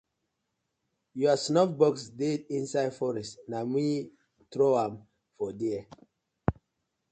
Yur snuff bosx dey inside forest, na me trow am for there.